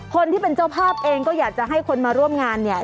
คนที่เป็นเจ้าภาพเองก็อยากจะให้คนมาร่วมงานเนี่ย